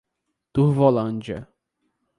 Turvolândia